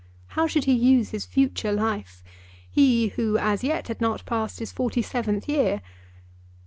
How should he use his future life, he who as yet had not passed his forty seventh year?